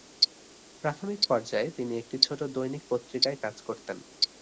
প্রাথমিক পর্যায়ে তিনি একটি ছোট দৈনিক পত্রিকায় কাজ করতেন।